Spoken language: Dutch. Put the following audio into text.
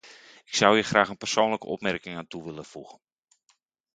Ik zou hier graag een persoonlijke opmerking aan toe willen voegen.